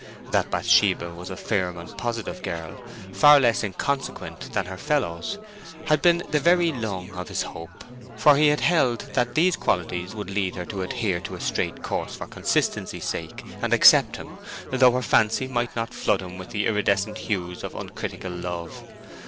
That Bathsheba was a firm and positive girl, far less inconsequent than her fellows, had been the very lung of his hope; for he had held that these qualities would lead her to adhere to a straight course for consistency's sake, and accept him, though her fancy might not flood him with the iridescent hues of uncritical love.